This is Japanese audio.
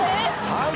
はい。